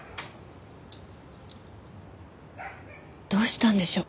どうしたんでしょう？